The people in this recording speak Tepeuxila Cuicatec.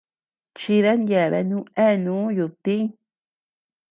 Chidan yeabeanu eanuu yudtiñ.